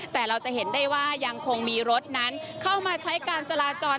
แต่เราจะเห็นได้ว่ายังคงมีรถนั้นเข้ามาใช้การจราจร